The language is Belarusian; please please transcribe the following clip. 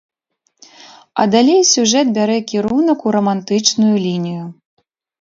А далей сюжэт бярэ кірунак у рамантычную лінію.